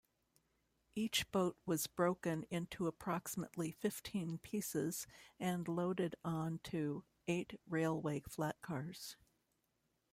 Each boat was broken into approximately fifteen pieces and loaded onto eight railway flatcars.